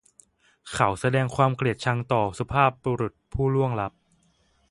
เขาแสดงความเกลียดชังต่อสุภาพบุรุษผู้ล่วงลับ